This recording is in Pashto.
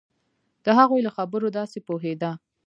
د هغوی له خبرو داسې پوهېده.